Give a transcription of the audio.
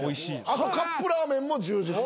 あとカップラーメンも充実。